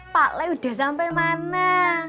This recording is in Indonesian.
pak le udah sampai mana